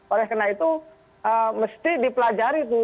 oleh karena itu mesti dipelajari tuh